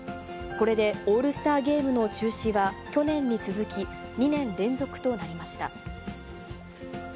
これでオールスターゲームの中止は去年に続き、２年連続となりました。